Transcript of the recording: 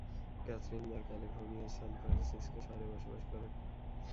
Catherine মা’র ক্যালিফোর্নিয়ার San Francisco শহরে বসবাস করেন।